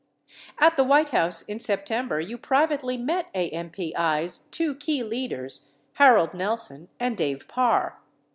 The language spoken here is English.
At the White House in September you privately met AMPI's two key leaders, Harold Nelson and Dave Parr.